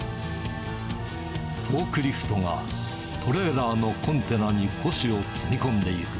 フォークリフトがトレーラーのコンテナに古紙を積み込んでいく。